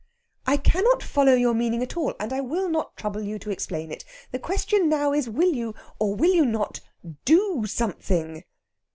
"I cannot follow your meaning at all. And I will not trouble you to explain it. The question now is will you, or will you not, do something?"